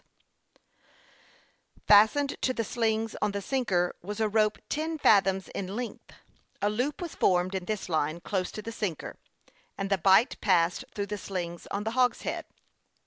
THE YOUNG PILOT OF LAKE CHAMPLAIN. Ill Fastened to the slings on the sinker was a rope ten fathoms in length. A loop was formed in this line, close to the sinker, and the bight passed through the slings on the hogshead.